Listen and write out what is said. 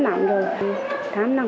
tám năm nó phải lên truyền